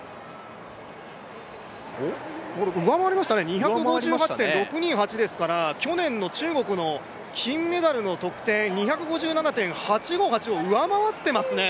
２５８．６２８ですから、去年の中国の金メダルの得点２５７．８５８を上回っています。